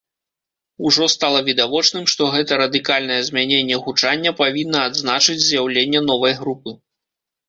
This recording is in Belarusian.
Ужо стала відавочным, што гэта радыкальнае змяненне гучання павінна адзначыць з'яўленне новай групы.